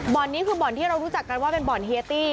นี้คือบ่อนที่เรารู้จักกันว่าเป็นบ่อนเฮียตี้